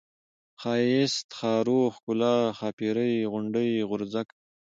ښايسته ، ښارو ، ښکلا ، ښاپيرۍ ، غونډۍ ، غورځکه ،